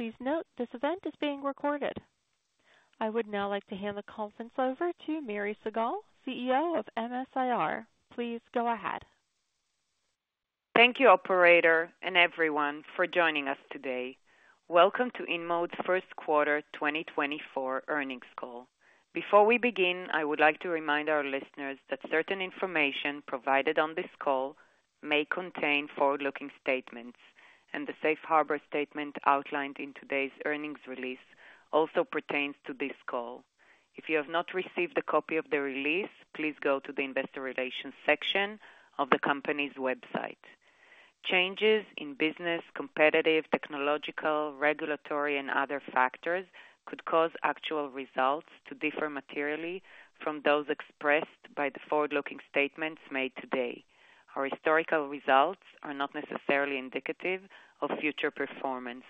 Please note, this event is being recorded. I would now like to hand the conference over to Miri Segal, CEO of MS-IR. Please go ahead. Thank you, operator, and everyone for joining us today. Welcome to InMode's first quarter 2024 earnings call. Before we begin, I would like to remind our listeners that certain information provided on this call may contain forward-looking statements, and the safe harbor statement outlined in today's earnings release also pertains to this call. If you have not received a copy of the release, please go to the investor relations section of the company's website. Changes in business, competitive, technological, regulatory, and other factors could cause actual results to differ materially from those expressed by the forward-looking statements made today. Our historical results are not necessarily indicative of future performance.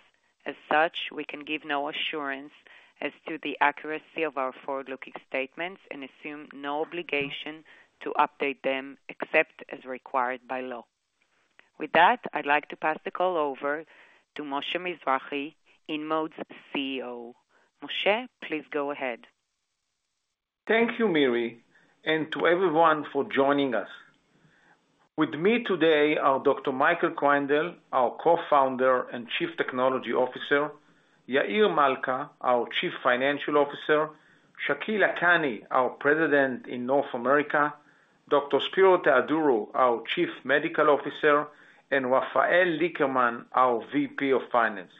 As such, we can give no assurance as to the accuracy of our forward-looking statements and assume no obligation to update them, except as required by law. With that, I'd like to pass the call over to Moshe Mizrahi, InMode's CEO. Moshe, please go ahead. Thank you, Miri, and to everyone for joining us. With me today are Dr. Michael Kreindel, our co-founder and Chief Technology Officer, Yair Malca, our Chief Financial Officer, Shakil Lakhani, our President in North America, Dr. Spero Theodorou, our Chief Medical Officer, and Rafael Lickerman, our VP of Finance.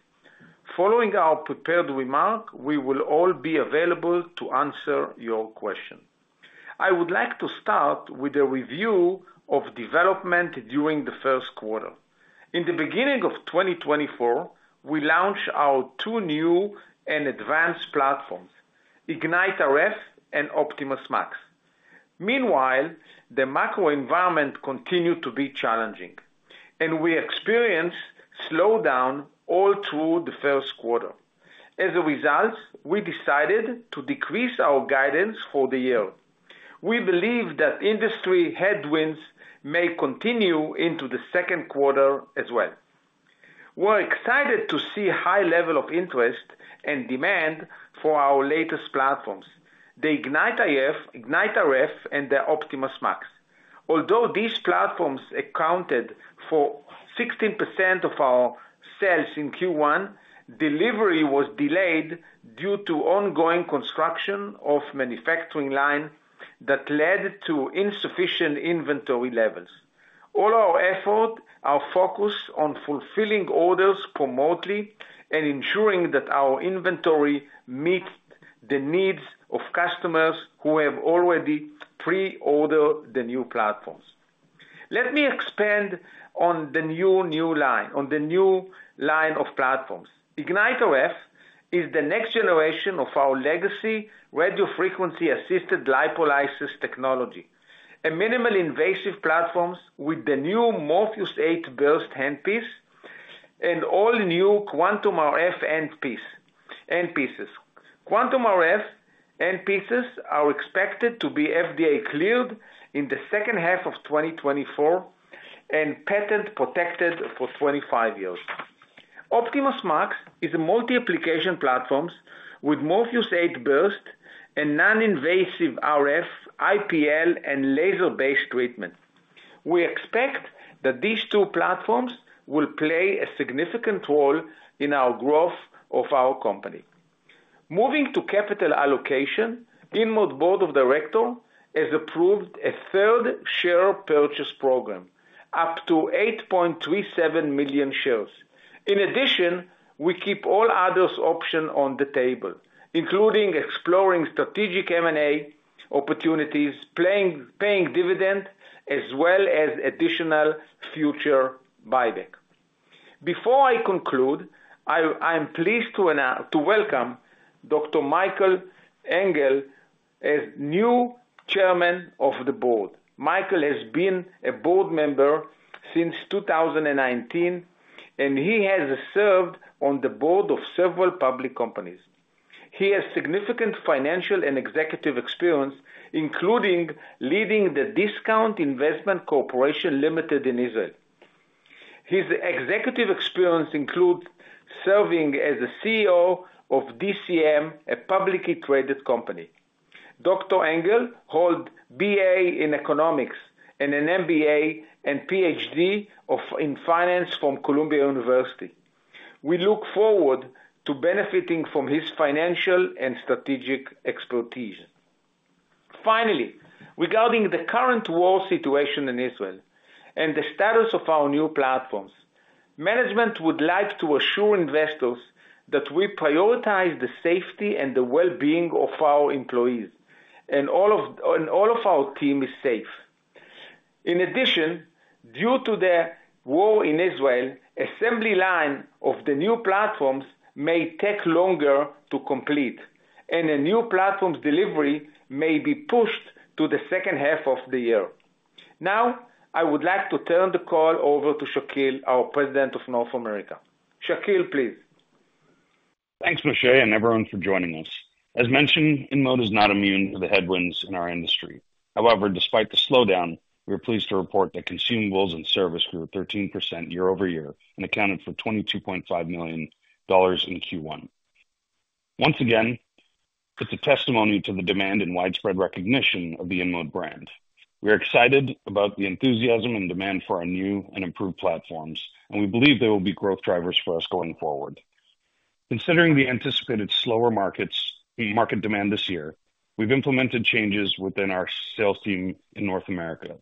Following our prepared remark, we will all be available to answer your question. I would like to start with a review of development during the first quarter. In the beginning of 2024, we launched our two new and advanced platforms, IgniteRF and OptimasMAX. Meanwhile, the macro environment continued to be challenging, and we experienced slowdown all through the first quarter. As a result, we decided to decrease our guidance for the year. We believe that industry headwinds may continue into the second quarter as well. We're excited to see high level of interest and demand for our latest platforms, the IgniteRF, IgniteRF, and the OptimasMAX. Although these platforms accounted for 16% of our sales in Q1, delivery was delayed due to ongoing construction of manufacturing line that led to insufficient inventory levels. All our efforts are focused on fulfilling orders promptly and ensuring that our inventory meets the needs of customers who have already pre-ordered the new platforms. Let me expand on the new line of platforms. IgniteRF is the next generation of our legacy radiofrequency-assisted lipolysis technology, a minimally invasive platform with the new Morpheus8 Burst handpiece and all new QuantumRF handpieces. QuantumRF handpieces are expected to be FDA cleared in the second half of 2024 and patent protected for 25 years. OptimasMAX is a multi-application platform with Morpheus8 Burst and non-invasive RF, IPL, and laser-based treatment. We expect that these two platforms will play a significant role in our growth of our company. Moving to capital allocation, InMode Board of Directors has approved a third share repurchase program, up to 8.37 million shares. In addition, we keep all other options on the table, including exploring strategic M&A opportunities, paying dividends, as well as additional future buybacks. Before I conclude, I'm pleased to welcome Dr. Michael Anghel as new Chairman of the Board. Michael has been a board member since 2019, and he has served on the board of several public companies. He has significant financial and executive experience, including leading the Discount Investment Corporation Ltd. in Israel. His executive experience includes serving as a CEO of DCM, a publicly traded company. Dr. holds a BA in Economics and an MBA and PhD in Finance from Columbia University. We look forward to benefiting from his financial and strategic expertise. Finally, regarding the current war situation in Israel and the status of our new platforms, management would like to assure investors that we prioritize the safety and the well-being of our employees, and all of our team is safe. In addition, due to the war in Israel, assembly line of the new platforms may take longer to complete, and a new platform delivery may be pushed to the second half of the year. Now, I would like to turn the call over to Shakil, our President of North America. Shakil, please. .Thanks, Moshe, and everyone for joining us. As mentioned, InMode is not immune to the headwinds in our industry. However, despite the slowdown, we are pleased to report that consumables and service grew 13% year-over-year and accounted for $22.5 million in Q1. Once again, it's a testimony to the demand and widespread recognition of the InMode brand. We are excited about the enthusiasm and demand for our new and improved platforms, and we believe they will be growth drivers for us going forward. Considering the anticipated slower markets, market demand this year, we've implemented changes within our sales team in North America.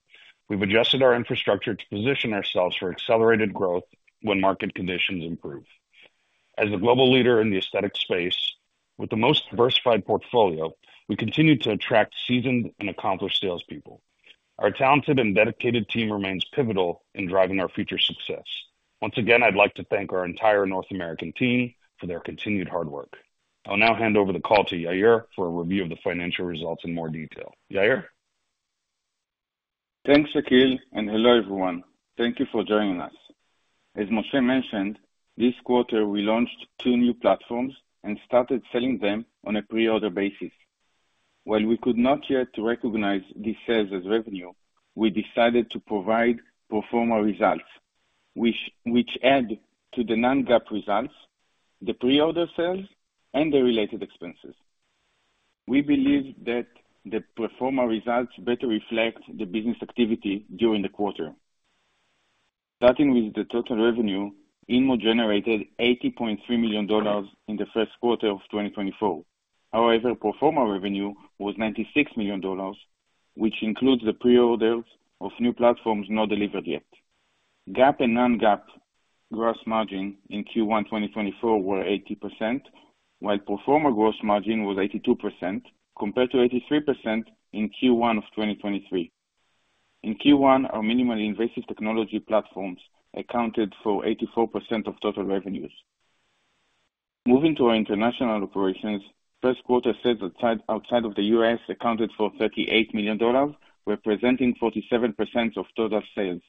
We've adjusted our infrastructure to position ourselves for accelerated growth when market conditions improve. As a global leader in the aesthetic space with the most diversified portfolio, we continue to attract seasoned and accomplished salespeople. Our talented and dedicated team remains pivotal in driving our future success. Once again, I'd like to thank our entire North American team for their continued hard work. I'll now hand over the call to Yair for a review of the financial results in more detail. Yair? Thanks, Shakil, and hello, everyone. Thank you for joining us. As Moshe mentioned, this quarter, we launched two new platforms and started selling them on a pre-order basis. While we could not yet recognize these sales as revenue, we decided to provide pro forma results, which add to the non-GAAP results, the pre-order sales, and the related expenses. We believe that the pro forma results better reflect the business activity during the quarter. Starting with the total revenue, InMode generated $80.3 million in the first quarter of 2024. However, pro forma revenue was $96 million, which includes the pre-orders of new platforms not delivered yet. GAAP and non-GAAP gross margin in Q1 2024 were 80%, while pro forma gross margin was 82% compared to 83% in Q1 of 2023. In Q1, our minimally invasive technology platforms accounted for 84% of total revenues. Moving to our international operations, first quarter sales outside of the U.S. accounted for $38 million, representing 47% of total sales,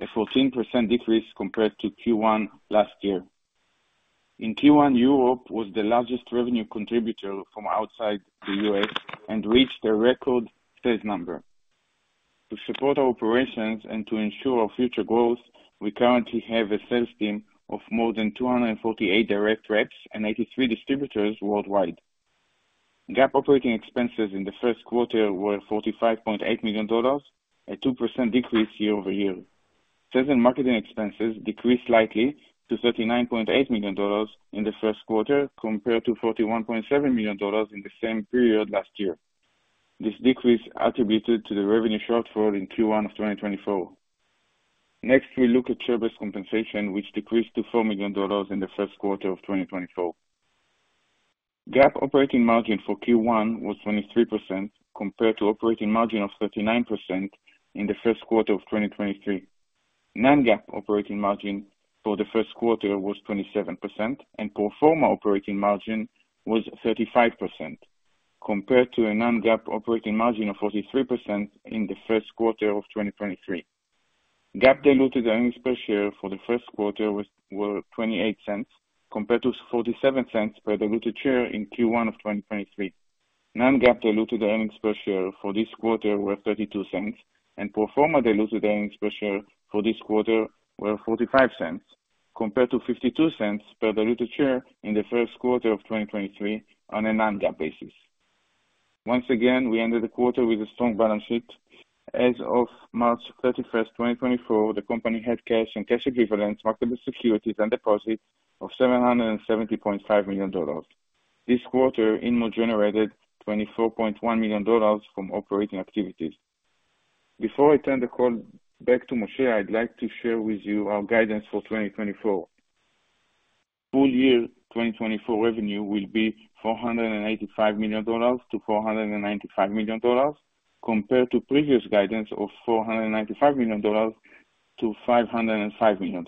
a 14% decrease compared to Q1 last year. In Q1, Europe was the largest revenue contributor from outside the U.S. and reached a record sales number. To support our operations and to ensure our future growth, we currently have a sales team of more than 248 direct reps and 83 distributors worldwide. GAAP operating expenses in the first quarter were $45.8 million, a 2% decrease year-over-year. Sales and marketing expenses decreased slightly to $39.8 million in the first quarter, compared to $41.7 million in the same period last year. This decrease attributed to the revenue shortfall in Q1 of 2024. Next, we look at share-based compensation, which decreased to $4 million in the first quarter of 2024. GAAP operating margin for Q1 was 23%, compared to operating margin of 39% in the first quarter of 2023. Non-GAAP operating margin for the first quarter was 27%, and pro forma operating margin was 35%, compared to a non-GAAP operating margin of 43% in the first quarter of 2023. GAAP diluted earnings per share for the first quarter was $0.28, compared to $0.47 per diluted share in Q1 of 2023. Non-GAAP diluted earnings per share for this quarter were $0.32, and pro forma diluted earnings per share for this quarter were $0.45, compared to $0.52 per diluted share in the first quarter of 2023 on a non-GAAP basis. Once again, we ended the quarter with a strong balance sheet. As of March 31, 2024, the company had cash and cash equivalents, marketable securities, and deposits of $770.5 million. This quarter, InMode generated $24.1 million from operating activities. Before I turn the call back to Moshe, I'd like to share with you our guidance for 2024. Full year 2024 revenue will be $485 million-$495 million, compared to previous guidance of $495 million-$505 million.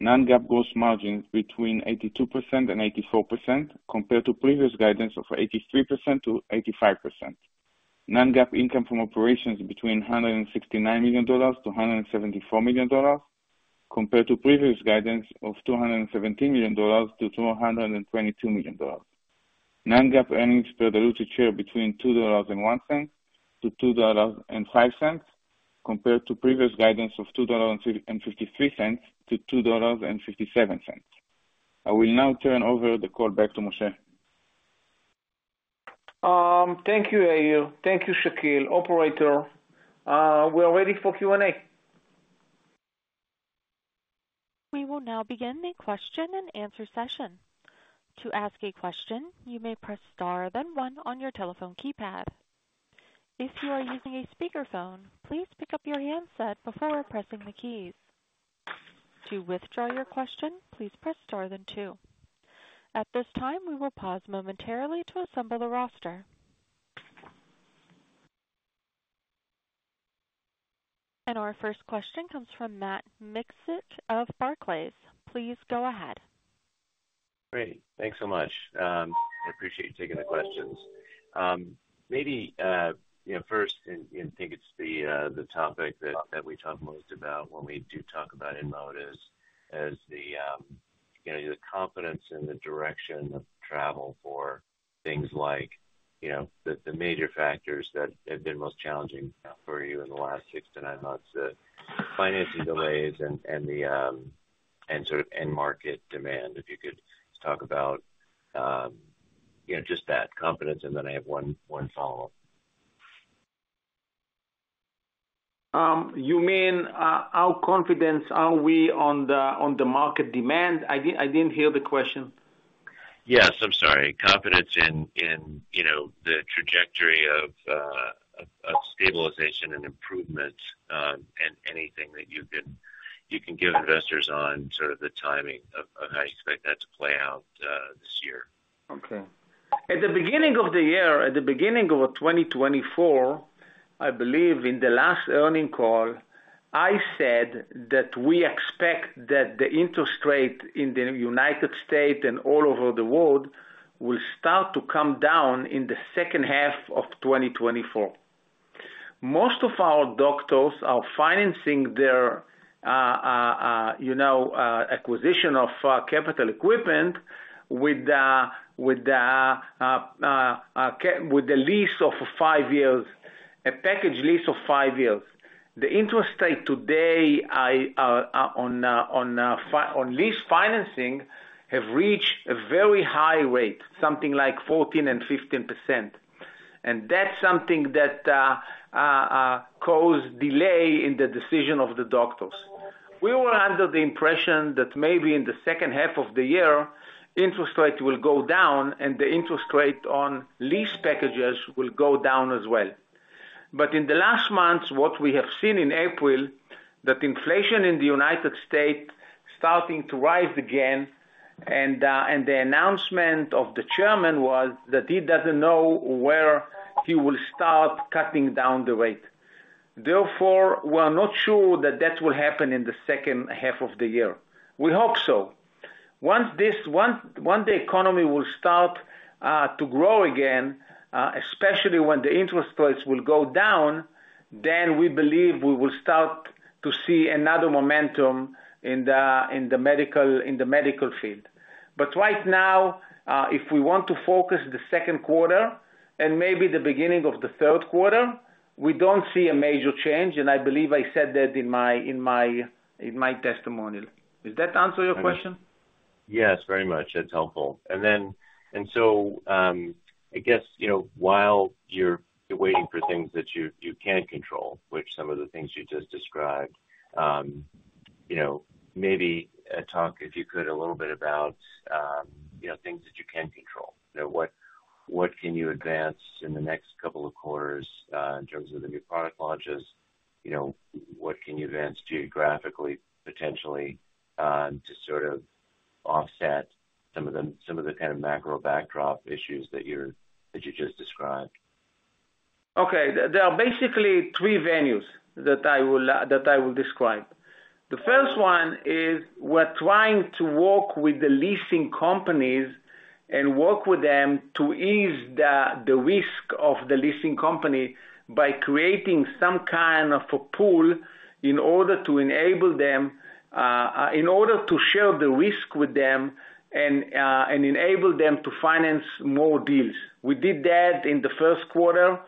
Non-GAAP gross margin between 82% and 84%, compared to previous guidance of 83%-85%. Non-GAAP income from operations between $169 million to $174 million, compared to previous guidance of $217 million to $222 million. Non-GAAP earnings per diluted share between $2.01 to $2.05, compared to previous guidance of $2.53 to $2.57. I will now turn over the call back to Moshe. Thank you, Yair. Thank you, Shakil. Operator, we're ready for Q&A. We will now begin the question and answer session. To ask a question, you may press star then one on your telephone keypad. If you are using a speakerphone, please pick up your handset before pressing the keys. To withdraw your question, please press star then two. At this time, we will pause momentarily to assemble the roster. Our first question comes from Matt Miksic of Barclays. Please go ahead. Great. Thanks so much. I appreciate you taking the questions. Maybe you know, first, I think it's the topic that we talk most about when we do talk about InMode is the confidence in the direction of travel for things like you know, the major factors that have been most challenging for you in the last 6-9 months, the financing delays and sort of end market demand. If you could talk about you know, just that confidence, and then I have one follow-up. You mean, how confident are we on the, on the market demand? I didn't hear the question. Yes. I'm sorry. Confidence in you know the trajectory of stabilization and improvement and anything that you can give investors on sort of the timing of how you expect that to play out this year. Okay. At the beginning of the year, at the beginning of 2024, I believe in the last earnings call, I said that we expect that the interest rate in the United States and all over the world will start to come down in the second half of 2024. Most of our doctors are financing their, you know, acquisition of capital equipment with the lease of 5 years, a package lease of 5 years. The interest rate today on lease financing have reached a very high rate, something like 14 and 15%. And that's something that caused delay in the decision of the doctors. We were under the impression that maybe in the second half of the year, interest rate will go down, and the interest rate on lease packages will go down as well. But in the last months, what we have seen in April, that inflation in the United States starting to rise again, and the announcement of the chairman was that he doesn't know where he will start cutting down the rate. Therefore, we are not sure that that will happen in the second half of the year. We hope so. Once the economy will start to grow again, especially when the interest rates will go down, then we believe we will start to see another momentum in the medical field. But right now, if we want to focus the second quarter and maybe the beginning of the third quarter, we don't see a major change, and I believe I said that in my testimonial. Does that answer your question? Yes, very much. That's helpful. So, I guess, you know, while you're waiting for things that you can't control, which some of the things you just described, you know, maybe talk, if you could, a little bit about, you know, things that you can control. You know, what can you advance in the next couple of quarters, in terms of the new product launches? You know, what can you advance geographically, potentially, to sort of offset some of the kind of macro backdrop issues that you just described? Okay. There are basically three venues that I will describe. The first one is, we're trying to work with the leasing companies and work with them to ease the risk of the leasing company by creating some kind of a pool, in order to enable them to share the risk with them and enable them to finance more deals. We did that in the first quarter.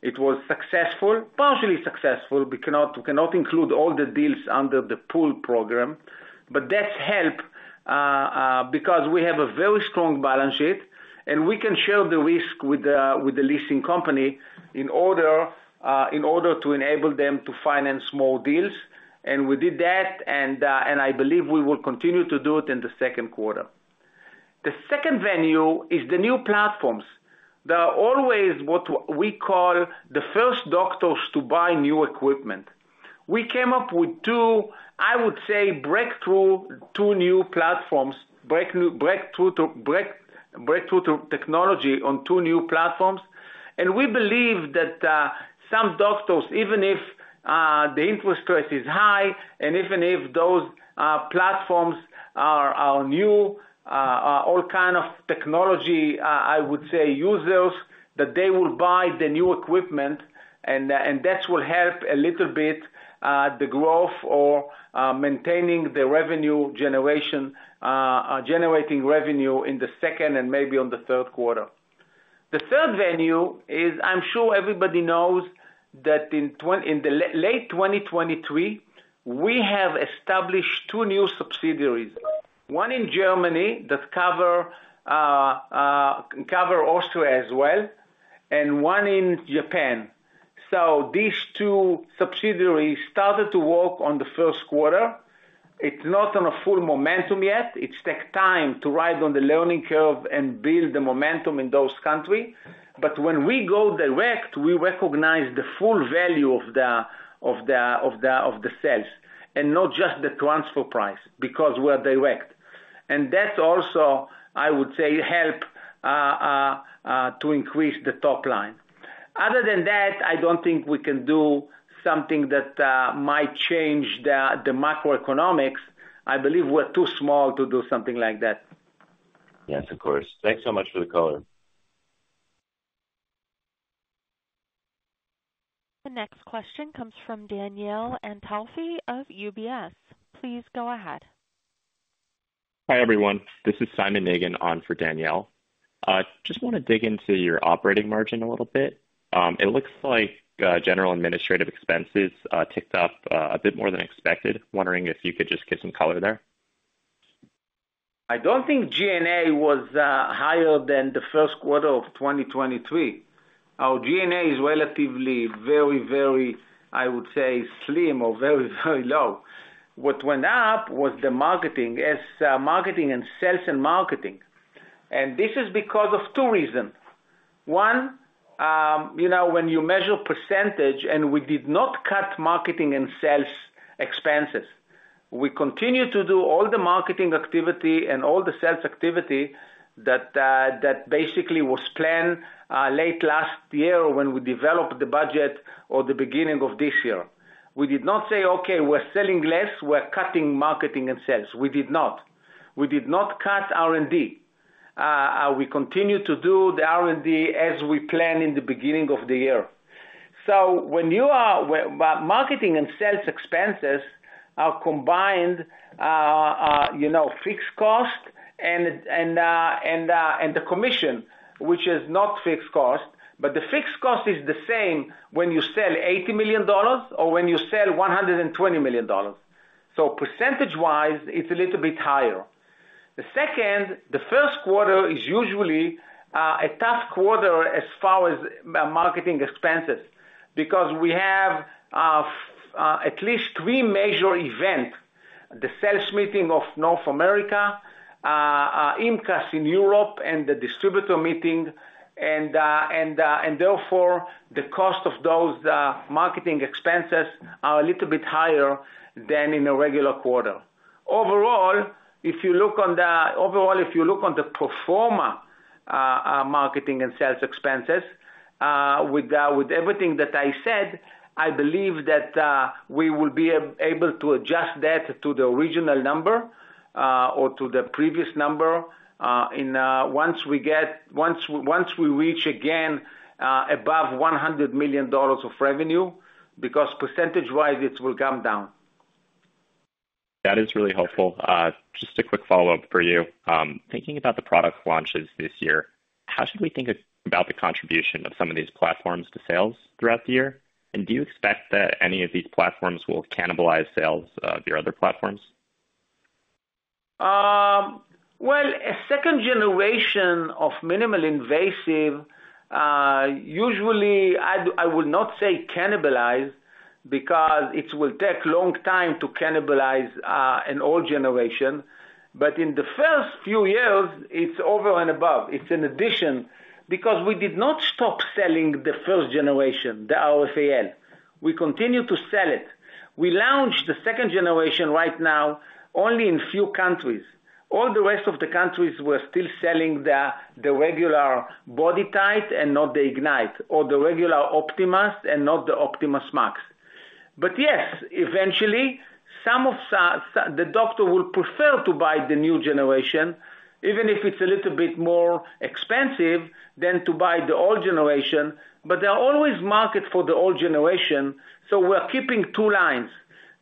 It was successful, partially successful. We cannot include all the deals under the pool program, but that's helped, because we have a very strong balance sheet, and we can share the risk with the leasing company in order to enable them to finance more deals, and we did that, and I believe we will continue to do it in the second quarter. The second venue is the new platforms. There are always what we call the first doctors to buy new equipment. We came up with two, I would say, breakthrough two new platforms, breakthrough technology on two new platforms. And we believe that some doctors, even if the interest rate is high, and even if those platforms are new, all kind of technology, I would say users, that they will buy the new equipment, and that will help a little bit the growth or maintaining the revenue generation, generating revenue in the second and maybe the third quarter. The third venue is, I'm sure everybody knows, that in late 2023, we have established two new subsidiaries. One in Germany, that cover Austria as well, and one in Japan. So these two subsidiaries started to work on the first quarter. It's not on a full momentum yet. It takes time to ride on the learning curve and build the momentum in those country. But when we go direct, we recognize the full value of the sales, and not just the transfer price, because we're direct. And that's also, I would say, help to increase the top line. Other than that, I don't think we can do something that might change the macroeconomics. I believe we're too small to do something like that. Yes, of course. Thanks so much for the call. The next question comes from Danielle Antalffy of UBS. Please go ahead. Hi, everyone. This is Simon Negri on for Danielle. I just want to dig into your operating margin a little bit. It looks like general administrative expenses ticked up a bit more than expected. Wondering if you could just give some color there? I don't think G&A was higher than the first quarter of 2023. Our G&A is relatively very, very, I would say, slim or very, very low. What went up was the marketing, as marketing and sales and marketing, and this is because of two reasons. One, you know, when you measure percentage, and we did not cut marketing and sales expenses. We continued to do all the marketing activity and all the sales activity that that basically was planned late last year when we developed the budget or the beginning of this year. We did not say: Okay, we're selling less, we're cutting marketing and sales. We did not. We did not cut R&D. We continued to do the R&D as we planned in the beginning of the year. So, marketing and sales expenses are combined, you know, fixed cost and the commission, which is not fixed cost. But the fixed cost is the same when you sell $80 million or when you sell $120 million. So percentage-wise, it's a little bit higher. The first quarter is usually a tough quarter as far as marketing expenses, because we have at least three major event: the sales meeting of North America, IMCAS in Europe and the distributor meeting, and therefore, the cost of those marketing expenses are a little bit higher than in a regular quarter. Overall, if you look on the. Overall, if you look on the pro forma, marketing and sales expenses, with everything that I said, I believe that we will be able to adjust that to the original number, or to the previous number, and once we reach again above $100 million of revenue, because percentage-wise, it will come down. That is really helpful. Just a quick follow-up for you. Thinking about the product launches this year, how should we think about the contribution of some of these platforms to sales throughout the year? And do you expect that any of these platforms will cannibalize sales of your other platforms? Well, a second generation of minimally invasive, usually I would not say cannibalize, because it will take long time to cannibalize, an old generation, but in the first few years, it's over and above. It's an addition, because we did not stop selling the first generation, the RFAL. We continue to sell it. We launched the second generation right now, only in few countries. All the rest of the countries we're still selling the regular BodyTite and not the IgniteRF, or the regular Optimas and not the OptimasMAX. But yes, eventually, some of the doctor will prefer to buy the new generation, even if it's a little bit more expensive than to buy the old generation, but there are always market for the old generation, so we're keeping two lines.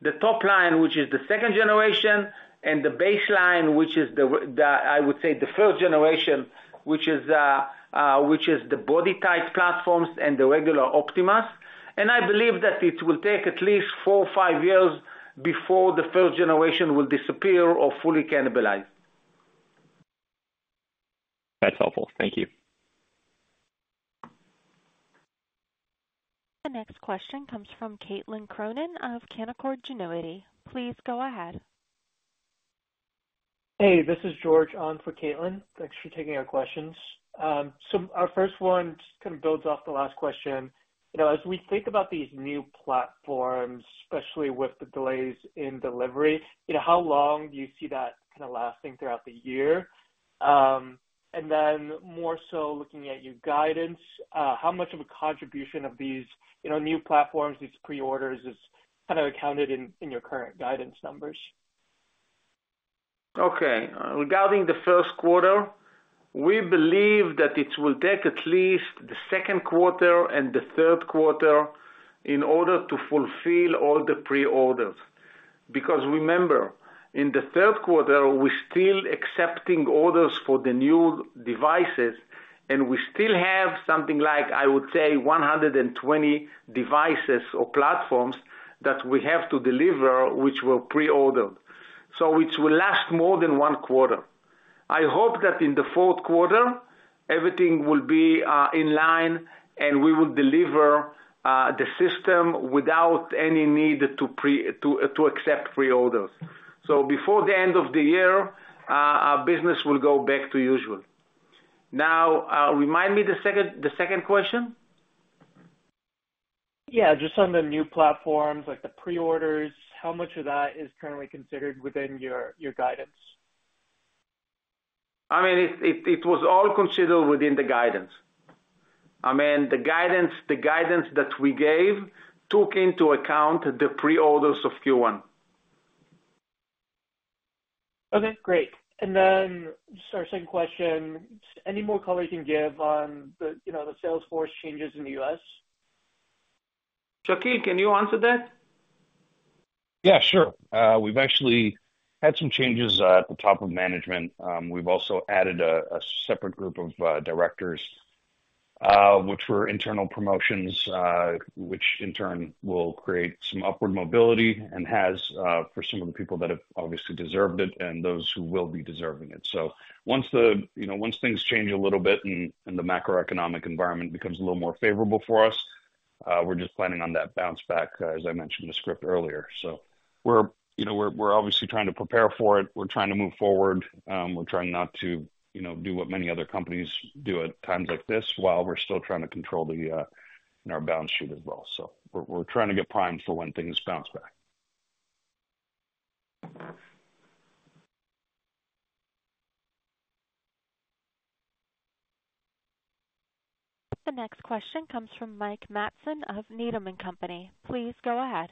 The top line, which is the second generation, and the baseline, which is the, I would say, the first generation, which is the BodyTite platforms and the regular Optimas. And I believe that it will take at least four or five years before the first generation will disappear or fully cannibalized. That's helpful. Thank you. The next question comes from Caitlin Cronin of Canaccord Genuity. Please go ahead. Hey, this is George on for Caitlin. Thanks for taking our questions. So our first one just kind of builds off the last question. You know, as we think about these new platforms, especially with the delays in delivery, you know, how long do you see that kind of lasting throughout the year? And then more so, looking at your guidance, how much of a contribution of these, you know, new platforms, these pre-orders, is kind of accounted in, in your current guidance numbers? Okay, regarding the first quarter, we believe that it will take at least the second quarter and the third quarter in order to fulfill all the pre-orders. Because remember, in the third quarter, we're still accepting orders for the new devices, and we still have something like, I would say, 120 devices or platforms that we have to deliver, which were pre-ordered. So it will last more than one quarter. I hope that in the fourth quarter, everything will be in line, and we will deliver the system without any need to accept pre-orders. So before the end of the year, our business will go back to usual. Now, remind me the second question? Yeah, just on the new platforms, like the pre-orders, how much of that is currently considered within your, your guidance? I mean, it was all considered within the guidance. I mean, the guidance that we gave took into account the pre-orders of Q1. Okay, great. Our second question, any more color you can give on the, you know, the sales force changes in the U.S.? Shakil, can you answer that? Yeah, sure. We've actually had some changes at the top of management. We've also added a separate group of directors, which were internal promotions, which in turn will create some upward mobility and has for some of the people that have obviously deserved it and those who will be deserving it. So once things change a little bit and the macroeconomic environment becomes a little more favorable for us, we're just planning on that bounce back, as I mentioned in the script earlier. So we're, you know, obviously trying to prepare for it. We're trying to move forward. We're trying not to, you know, do what many other companies do at times like this, while we're still trying to control our balance sheet as well. So we're trying to get primed for when things bounce back. The next question comes from Mike Matson of Needham & Company. Please go ahead.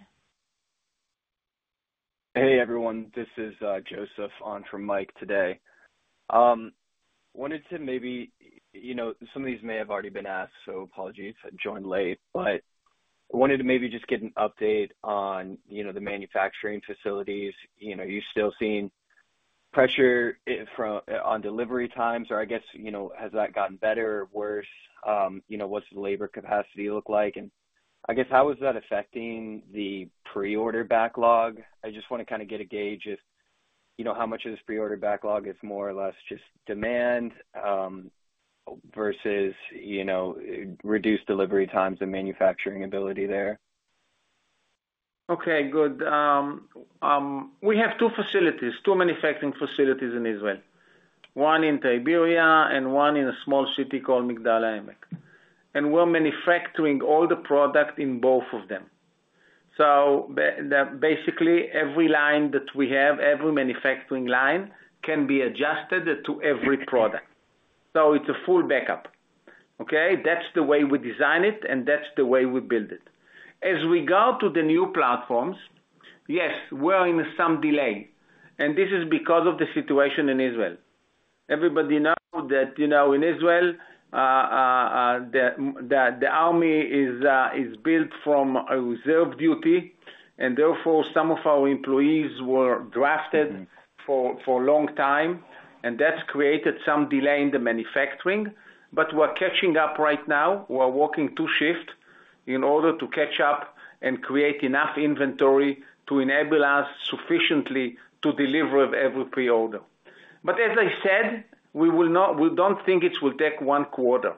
Hey, everyone. This is Joseph on for Mike today. Wanted to maybe, you know, some of these may have already been asked, so apologies I joined late. But I wanted to maybe just get an update on, you know, the manufacturing facilities. You know, are you still seeing pressure on delivery times, or I guess, you know, has that gotten better or worse? You know, what's the labor capacity look like? And I guess, how is that affecting the pre-order backlog? I just want to kind of get a gauge if, you know, how much of this pre-order backlog is more or less just demand versus, you know, reduced delivery times and manufacturing ability there. Okay, good. We have two facilities, two manufacturing facilities in Israel, one in Tiberias and one in a small city called Migdal HaEmek, and we're manufacturing all the product in both of them. So basically, every line that we have, every manufacturing line, can be adjusted to every product, so it's a full backup. Okay? That's the way we design it, and that's the way we build it. As regard to the new platforms, yes, we're in some delay, and this is because of the situation in Israel. Everybody know that, you know, in Israel, the army is built from a reserve duty, and therefore some of our employees were drafted for a long time, and that's created some delay in the manufacturing. But we're catching up right now. We're working two shifts in order to catch up and create enough inventory to enable us sufficiently to deliver on every pre-order. But as I said, we will not—we don't think it will take one quarter.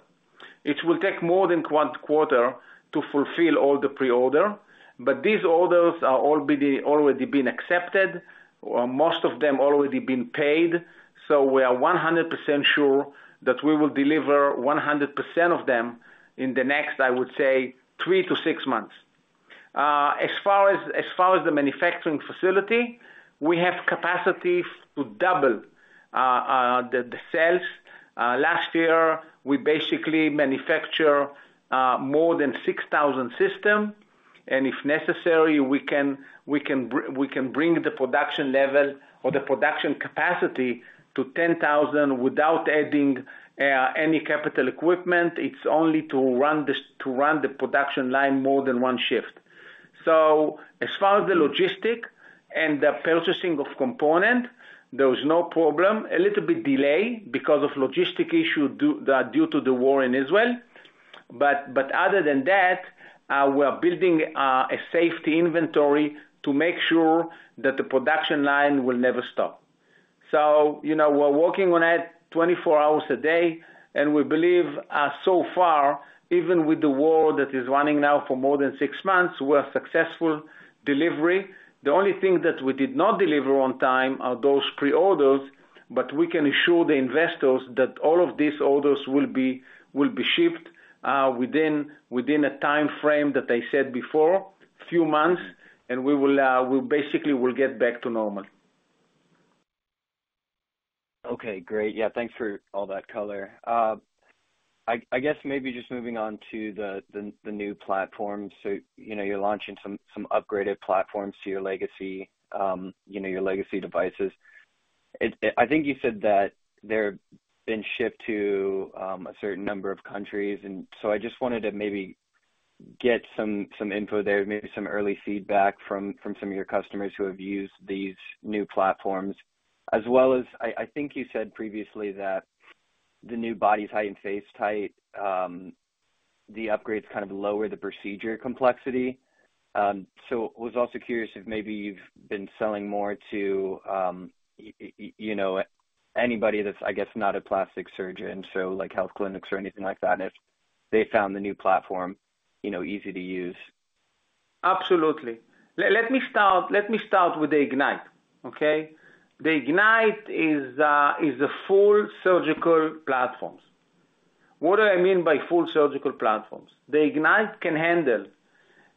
It will take more than one quarter to fulfill all the pre-order, but these orders are already been accepted, or most of them already been paid, so we are 100% sure that we will deliver 100% of them in the next, I would say, 3-6 months. As far as the manufacturing facility, we have capacity to double the sales. Last year we basically manufactured more than 6,000 systems, and if necessary, we can bring the production level or the production capacity to 10,000 without adding any capital equipment. It's only to run the production line more than one shift. So as far as the logistic and the purchasing of component, there is no problem. A little bit delay because of logistic issue due to the war in Israel, but other than that, we are building a safety inventory to make sure that the production line will never stop. So, you know, we're working on it 24 hours a day, and we believe, so far, even with the war that is running now for more than 6 months, we're successful delivery. The only thing that we did not deliver on time are those pre-orders, but we can assure the investors that all of these orders will be shipped within a time frame that I said before, few months, and we basically will get back to normal. Okay, great. Yeah, thanks for all that color. I guess maybe just moving on to the new platform. So, you know, you're launching some upgraded platforms to your legacy, you know, your legacy devices. I think you said that they've been shipped to a certain number of countries, and so I just wanted to maybe get some info there, maybe some early feedback from some of your customers who have used these new platforms. As well as, I think you said previously that the new BodyTite and FaceTite, the upgrades kind of lower the procedure complexity. So I was also curious if maybe you've been selling more to, you know, anybody that's, I guess, not a plastic surgeon, so like health clinics or anything like that, if they found the new platform, you know, easy to use. Absolutely. Let me start with the Ignite, okay? The Ignite is a full surgical platforms. What do I mean by full surgical platforms? The Ignite can handle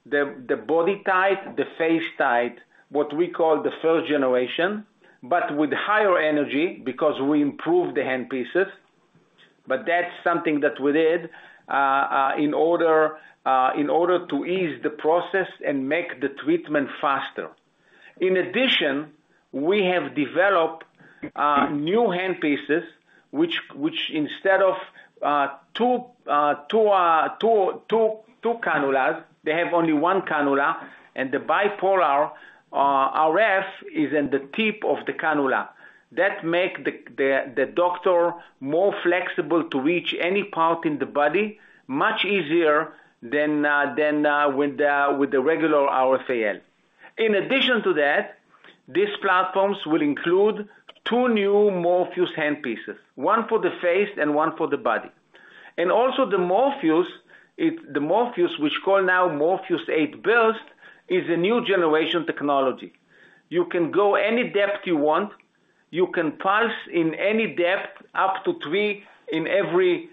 the BodyTite, the FaceTite, what we call the first generation, but with higher energy, because we improved the handpieces. But that's something that we did in order to ease the process and make the treatment faster. In addition, we have developed new handpieces, which instead of two cannulas, they have only one cannula, and the bipolar RF is in the tip of the cannula. That make the doctor more flexible to reach any part in the body, much easier than with the regular RFAL. In addition to that, these platforms will include two new Morpheus handpieces, one for the face and one for the body. Also the Morpheus, the Morpheus, which we call now Morpheus8 Burst, is a new generation technology. You can go any depth you want, you can pulse in any depth, up to three in every,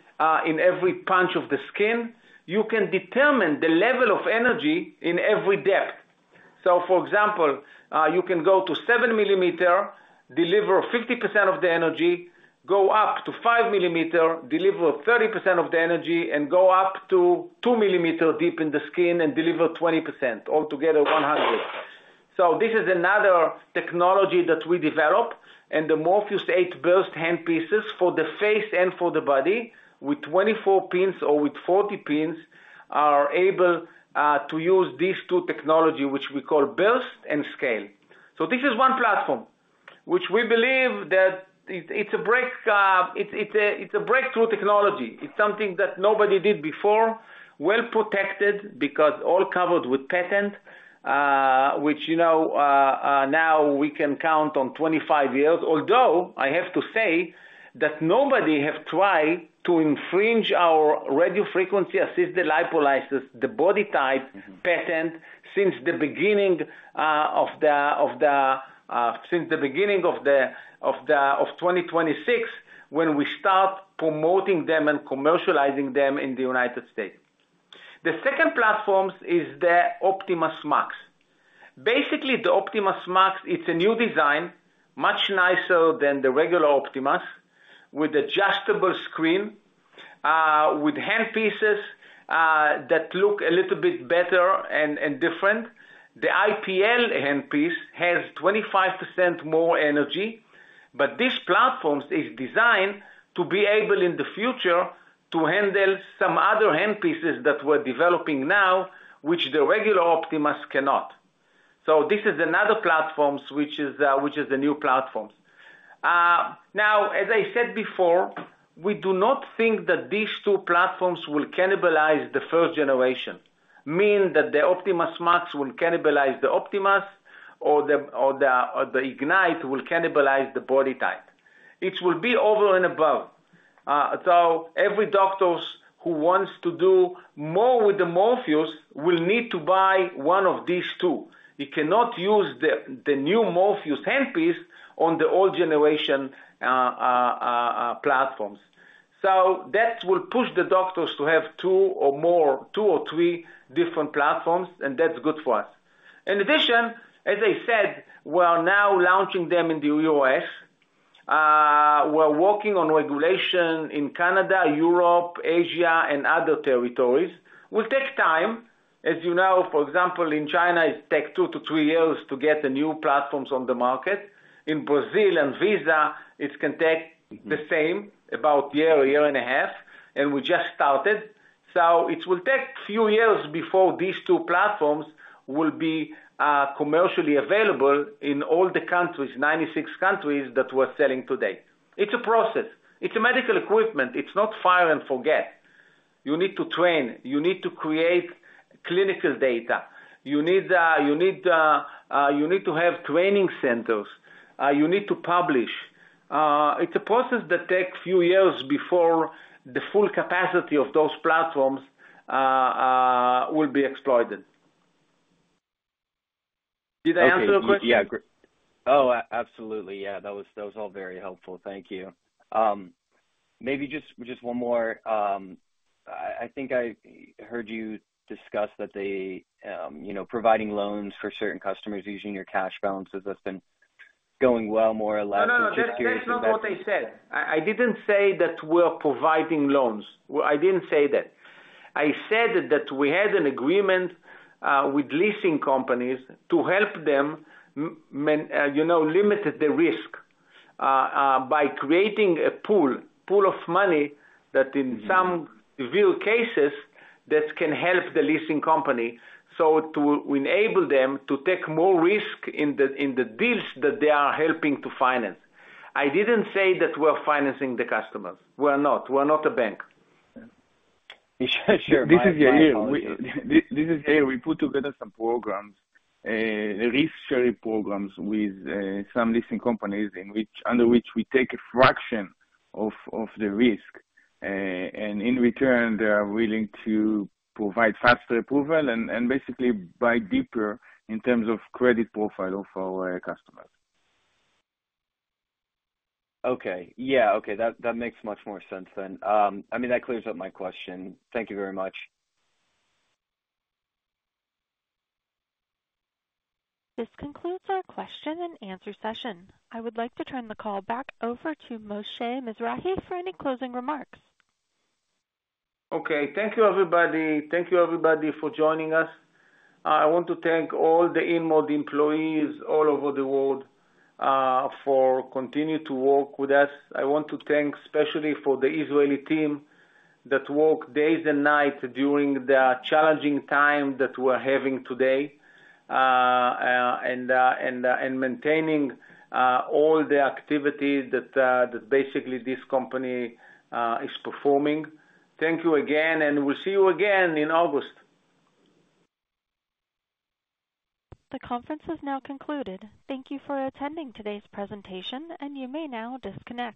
in every punch of the skin. You can determine the level of energy in every depth. So for example, you can go to seven millimeter, deliver 50% of the energy, go up to five millimeter, deliver 30% of the energy, and go up to two millimeter deep in the skin and deliver 20%, altogether 100%. So this is another technology that we develop, and the Morpheus8 Burst handpieces for the face and for the body, with 24 pins or with 40 pins, are able to use these two technology, which we call burst and scale. So this is one platform, which we believe that it's a breakthrough technology. It's something that nobody did before. Well-protected because all covered with patent, which, you know, now we can count on 25 years. Although, I have to say, that nobody have tried to infringe our radiofrequency-assisted lipolysis, the BodyTite patent, since the beginning of the of 2026, when we start promoting them and commercializing them in the United States. The second platforms is the OptimasMAX. Basically, the OptimasMAX, it's a new design, much nicer than the regular Optimas, with adjustable screen, with handpieces that look a little bit better and different. The IPL handpiece has 25% more energy, but this platforms is designed to be able, in the future, to handle some other handpieces that we're developing now, which the regular Optimas cannot. So this is another platforms, which is a new platforms. Now, as I said before, we do not think that these two platforms will cannibalize the first generation. Mean that the OptimasMAX will cannibalize the Optimas or the IgniteRF will cannibalize the BodyTite. It will be over and above. So every doctors who wants to do more with the Morpheus8, will need to buy one of these two. He cannot use the new Morpheus handpiece on the old generation platforms. So that will push the doctors to have two or more, two or three different platforms, and that's good for us. In addition, as I said, we are now launching them in the U.S. We're working on regulation in Canada, Europe, Asia and other territories. Will take time. As you know, for example, in China, it take 2-3 years to get the new platforms on the market. In Brazil ANVISA, it can take the same, about a year, a year and a half, and we just started. So it will take few years before these two platforms will be commercially available in all the countries, 96 countries that we're selling today. It's a process. It's a medical equipment. It's not fire and forget. You need to train, you need to create clinical data. You need to have training centers. You need to publish. It's a process that takes few years before the full capacity of those platforms will be exploited. Did I answer the question? Yeah. Oh, absolutely, yeah. That was, that was all very helpful. Thank you. Maybe just, just one more. I, I think I heard you discuss that the, you know, providing loans for certain customers using your cash balances, that's been going well, more or less? No, no, no. Just curious. That's not what I said. I didn't say that we're providing loans. Well, I didn't say that. I said that we had an agreement with leasing companies to help them, you know, limit the risk by creating a pool of money that in some real cases that can help the leasing company. So to enable them to take more risk in the deals that they are helping to finance. I didn't say that we're financing the customers. We're not. We're not a bank. Sure. This is Yair. We put together some programs, risk-sharing programs with some leasing companies, in which, under which we take a fraction of the risk, and in return, they are willing to provide faster approval and basically buy deeper in terms of credit profile of our customers. Okay. Yeah, okay. That, that makes much more sense than. I mean, that clears up my question. Thank you very much. This concludes our question and answer session. I would like to turn the call back over to Moshe Mizrahi for any closing remarks. Okay. Thank you, everybody. Thank you, everybody, for joining us. I want to thank all the InMode employees all over the world, for continue to work with us. I want to thank especially for the Israeli team, that work days and nights during the challenging time that we're having today, and maintaining all the activities that that basically this company is performing. Thank you again, and we'll see you again in August. The conference is now concluded. Thank you for attending today's presentation, and you may now disconnect.